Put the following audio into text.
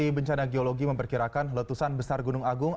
ketua kepala geologi memperkirakan letusan besar gunung agung